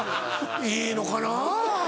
いいのかな？